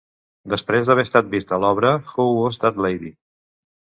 Després d'haver estat vist a l'obra "Who Was That Lady?"